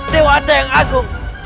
dewata yang agung